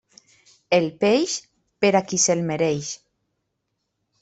El peix, per a qui se'l mereix.